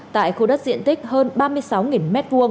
tại khu đất diện tích hơn ba mươi sáu m hai